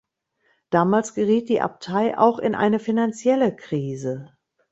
Damals geriet die Abtei auch in eine finanzielle Krise.